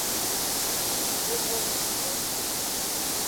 Yevovici.